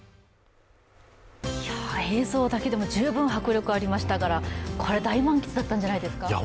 映像だけでも十分迫力ありましたから、これ、大満喫だったんじゃないですか。